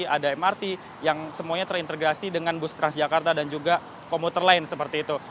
ada mrt yang semuanya terintegrasi dengan bus transjakarta dan juga komuter lain seperti itu